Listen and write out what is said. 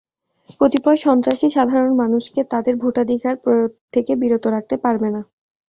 কতিপয় সন্ত্রাসী সাধারণ মানুষকে তাদের ভোটাধিকার প্রয়োগ থেকে বিরত রাখতে পারবে না।